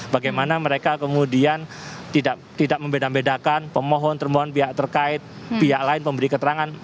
bagaimana mereka kemudian tidak membeda bedakan pemohon termohon pihak terkait pihak lain memberi keterangan